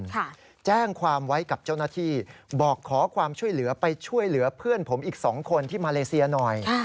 แจ้งความไว้กับเจ้าหน้าที่บอกขอความช่วยเหลือไปช่วยเหลือเพื่อนผมอีกสองคนที่มาเลเซียหน่อย